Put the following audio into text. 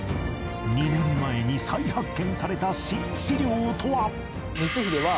２年前に再発見された新史料とは！？